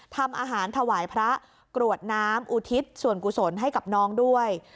ทำอาหารถวายพระกรวดน้ำอุทิศส่วนกุศลให้กับน้องด้วย